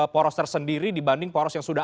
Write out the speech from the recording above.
poros tersendiri dibanding poros yang sudah